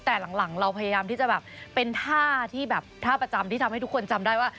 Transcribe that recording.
แต่หลังเราพยายามที่จะแบบเป็นท่าที่แบบท่าประจำที่ทำให้ทุกคนจำได้ว่า